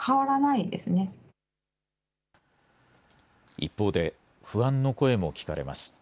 一方で、不安の声も聞かれます。